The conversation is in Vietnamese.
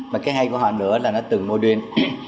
mà cái hay của họ nữa là nó từng mô đuyên